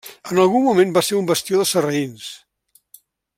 En algun moment va ser un bastió dels sarraïns.